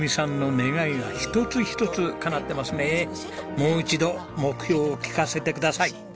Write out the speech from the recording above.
もう一度目標を聞かせてください。